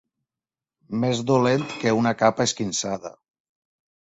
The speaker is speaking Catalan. Més dolent que una capa esquinçada.